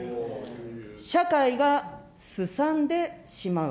社会がすさんでしまう。